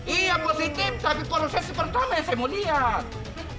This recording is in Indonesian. iya positif tapi kalau saya pertama saya mau lihat